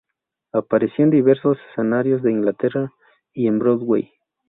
Apareció en diversos escenarios de Inglaterra, y en Broadway.